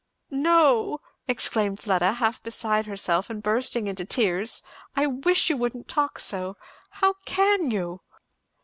"No!" exclaimed Fleda half beside herself and bursting into tears; "I wish you wouldn't talk so! How can you?"